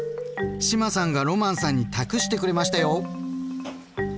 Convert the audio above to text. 志麻さんがロマンさんに託してくれましたよ！